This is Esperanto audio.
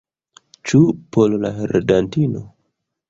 Ĉu por la heredantino?